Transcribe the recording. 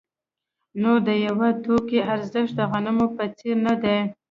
نور د یوه توکي ارزښت د غنمو په څېر نه دی